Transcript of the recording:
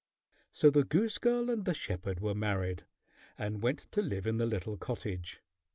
So the goose girl and the shepherd were married and went to live in the little cottage.